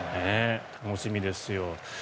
楽しみですよ。